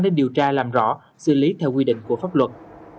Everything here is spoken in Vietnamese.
để điều tra làm rõ xử lý theo quy định của pháp luật